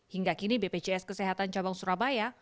hingga kini bpjs kesehatan cabang surabaya